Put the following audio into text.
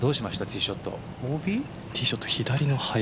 ティーショット、左の林。